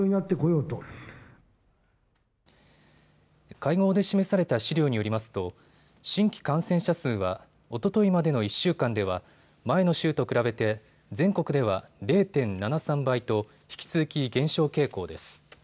会合で示された資料によりますと新規感染者数は、おとといまでの１週間では前の週と比べて全国では０．７３倍と引き続き減少傾向です。